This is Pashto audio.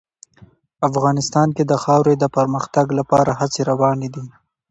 افغانستان کې د خاورې د پرمختګ لپاره هڅې روانې دي.